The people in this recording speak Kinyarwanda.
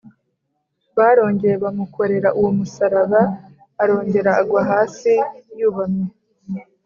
barongeye bamukorera uwo musaraba, arongera agwa hasi yubamye